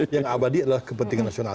yang abadi adalah kepentingan nasional